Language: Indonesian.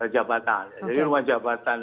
jabatan jadi rumah jabatan